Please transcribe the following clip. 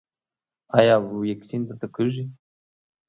ایا واکسین دلته کیږي؟